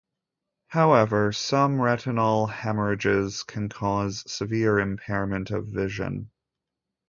However, some retinal hemorrhages can cause severe impairment of vision.